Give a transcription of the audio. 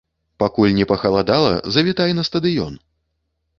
Пакуль не пахаладала, завітай на стадыён!